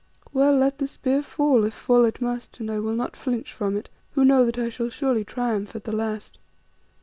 Well, let the spear fall, if fall it must, and I will not flinch from it who know that I shall surely triumph at the last.